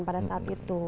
pada saat itu